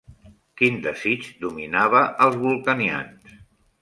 Quin desig dominava els vulcanians?